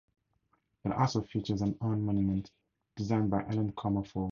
It also features an urn monument designed by Helen Comerford.